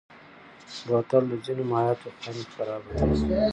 بوتل د ځینو مایعاتو خوند خرابوي.